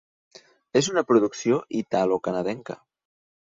És una producció italo-canadenca.